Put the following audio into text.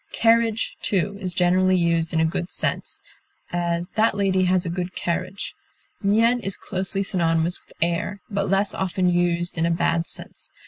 Carriage, too, is generally used in a good sense; as, that lady has a good carriage. Mien is closely synonymous with air, but less often used in a bad sense.